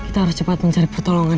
kita harus cepat mencari pertolongan